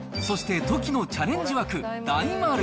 そしてトキのチャレンジ枠、大丸。